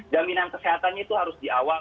jaminan kesehatannya itu harus diawal